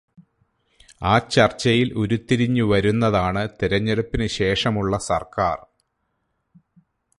ആ ചർച്ചയിൽ ഉരുത്തിരിഞ്ഞുവരുന്നതാണ് തിരഞ്ഞെടുപ്പിനുശേഷമുള്ള സർക്കാർ.